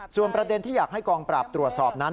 ส่วนประเด็นที่อยากให้กองปราบตรวจสอบนั้น